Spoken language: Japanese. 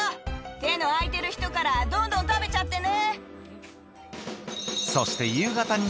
手の空いてる人からどんどん食べちゃってね。